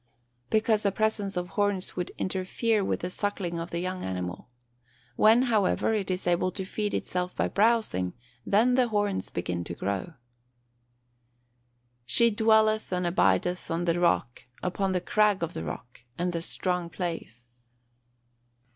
_ Because the presence of horns would interfere with the suckling of the young animal. When, however, it is able to feed itself by browsing, then the horns begin to grow. [Verse: "She dwelleth and abideth on the rock, upon the crag of the rock, and the strong place.